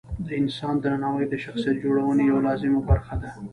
د انسان درناوی د شخصیت جوړونې یوه لازمه برخه ده.